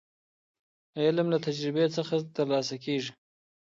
علم له تجربې څخه ترلاسه کيږي.